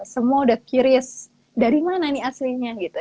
semua udah curious dari mana ini aslinya gitu